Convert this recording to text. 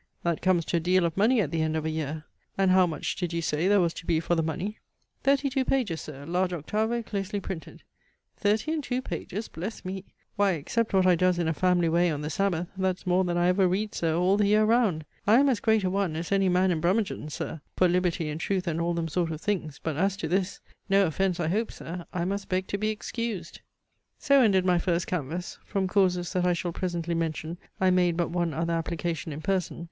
"That comes to a deal of money at the end of a year. And how much, did you say, there was to be for the money?" "Thirty two pages, Sir, large octavo, closely printed." "Thirty and two pages? Bless me! why except what I does in a family way on the Sabbath, that's more than I ever reads, Sir! all the year round. I am as great a one, as any man in Brummagem, Sir! for liberty and truth and all them sort of things, but as to this, no offence, I hope, Sir, I must beg to be excused." So ended my first canvass: from causes that I shall presently mention, I made but one other application in person.